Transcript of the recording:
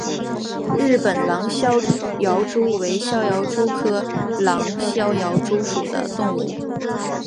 日本狼逍遥蛛为逍遥蛛科狼逍遥蛛属的动物。